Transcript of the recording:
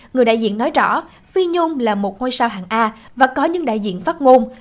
người đại diện nói rõ phi nhung là một ngôi sao hàng a và có những đại diện phát ngôn